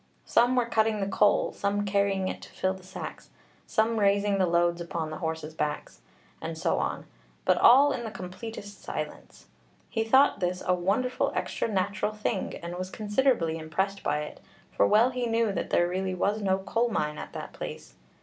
Some were cutting the coal, some carrying it to fill the sacks, some raising the loads upon the horses' backs, and so on; but all in the completest silence. He thought this 'a wonderful extra natural thing,' and was considerably impressed by it, for well he knew that there really was no coal mine at that place.